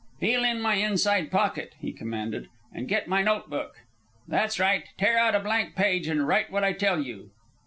"Feel in my inside pocket," he commanded, "and get my notebook. That's right. Tear out a blank page and write what I tell you."